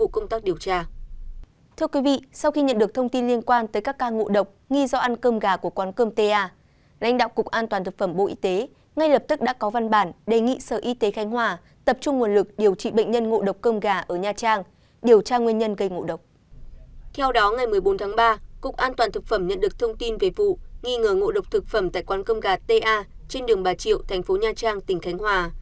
cục an toàn thực phẩm nhận được thông tin về vụ nghi ngờ ngộ độc thực phẩm tại quán cơm gà t a trên đường bà triệu thành phố nha trang tỉnh khánh hòa